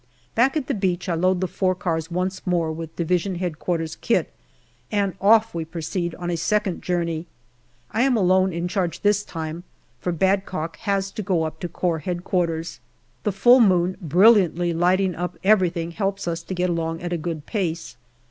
Back at the beach I load the four cars once more with D.H.Q. kit, and off we proceed on a second journey. I am alone in charge this time, for Badcock has to go up to Corps H.Q. The full moon brilliantly lighting up every thing helps us to get along at a good pace.